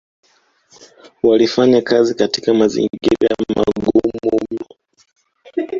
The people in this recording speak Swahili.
walifanya kazi katika mazingira magumu mno